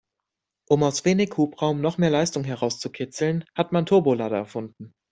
Um aus wenig Hubraum noch mehr Leistung herauszukitzeln, hat man Turbolader erfunden.